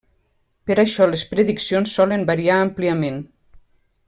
Per això les prediccions solen variar àmpliament.